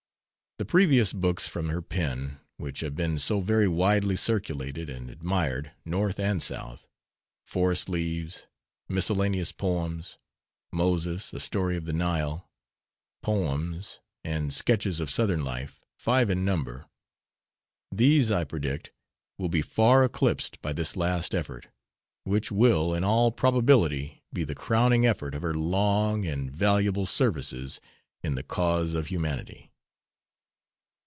The previous books from her pen, which have been so very widely circulated and admired, North and South "Forest Leaves," "Miscellaneous Poems," "Moses, a Story of the Nile," "Poems," and "Sketches of Southern Life" (five in number) these, I predict, will be by far eclipsed by this last effort, which will, in all probability, be the crowning effort of her long and valuable services in the cause of humanity.